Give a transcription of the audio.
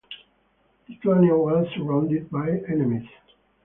Lithuania was surrounded by enemies.